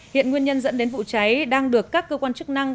hiện nguyên nhân dẫn đến vụ cháy đang được các cơ quan chức năng